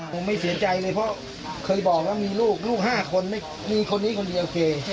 ผมไม่เสียใจเลยเพราะเคยบอกว่ามีลูกลูก๕คนไม่มีคนนี้คนเดียวโอเค